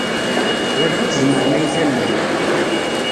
Ɣileɣ ad tzemrem ad iyi-tallem.